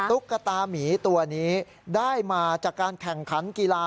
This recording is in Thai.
ตุ๊กตามีตัวนี้ได้มาจากการแข่งขันกีฬา